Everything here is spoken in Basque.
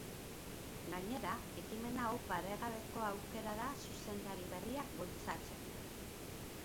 Gainera, ekimen hau paregabeko aukera da zuzendari berriak bultzatzeko.